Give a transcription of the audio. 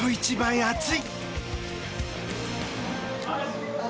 熱い！